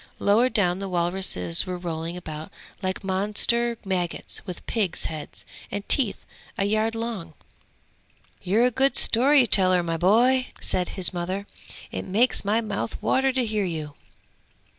Lower down the walruses were rolling about like monster maggots with pigs' heads and teeth a yard long!' 'You're a good story teller, my boy!' said his mother. 'It makes my mouth water to hear you!'